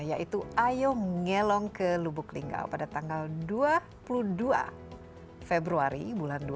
yaitu ayo ngelong ke lubuk linggau pada tanggal dua puluh dua februari bulan dua ribu